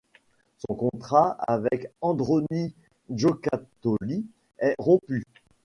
Son contrat avec Androni Giocattoli est rompu.